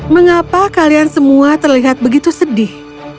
mengapa kalian semua terlihat begitu sedih